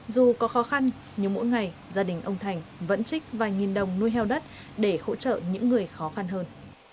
dù có khó khăn nhưng mỗi ngày gia đình ông thành vẫn trích vài nghìn đồng nuôi heo đất để hỗ trợ những người khó khăn hơn